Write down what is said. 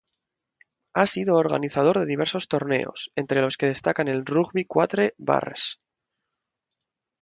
Ha sido organizador de diversos torneos, entre los que destacan el Rugby Quatre Barres.